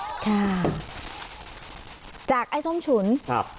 ค่ะจากไอ้ส้มฉุนครับ